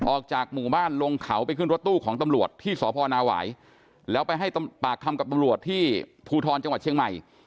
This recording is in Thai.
ออกจากหมู่บ้านลงเขาไปขึ้นรถตู้ของตำรวจที่สพนาหวายแล้วไปให้ปากคำกับตำรวจที่ภูทรจังหวัดเชียงใหม่